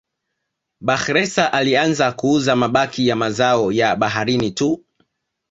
Bakhresa alianza kuuza mabaki ya mazao ya baharini tu